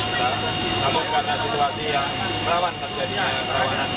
namun karena situasi yang merawan terjadinya perairan